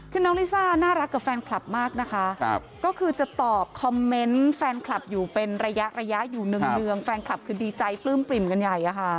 คือน้องลิซ่าน่ารักกับแฟนคลับมากนะคะก็คือจะตอบคอมเมนต์แฟนคลับอยู่เป็นระยะระยะอยู่เนื่องแฟนคลับคือดีใจปลื้มปริ่มกันใหญ่อะค่ะ